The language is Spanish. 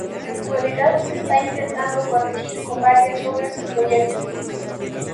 En la actualidad se está intentando corregir con varias obras y proyectos.